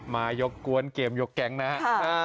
มายกกวนเกมยกแก๊งนะครับ